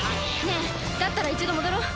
ねえだったら一度戻ろう。